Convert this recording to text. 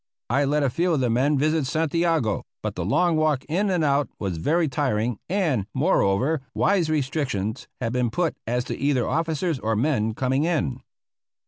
I let a few of the men visit Santiago, but the long walk in and out was very tiring, and, moreover, wise restrictions had been put as to either officers or men coming in.